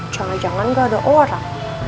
jangan jangan nggak ada orang